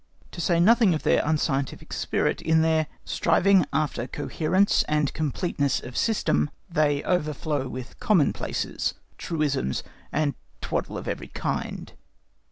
To say nothing of their unscientific spirit, in their striving after coherence and completeness of system, they overflow with commonplaces, truisms, and twaddle of every kind.